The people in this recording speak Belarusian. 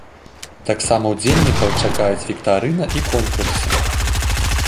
Таксама ўдзельнікаў чакаюць віктарына і конкурсы.